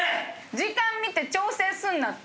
時間見て調整すんなって。